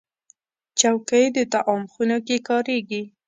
چوکۍ د طعام خونو کې کارېږي.